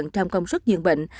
trong công suất dường bệnh